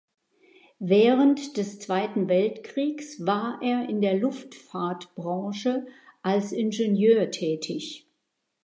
Während des Zweiten Weltkriegs war er in der Luftfahrtbranche als Ingenieur tätig.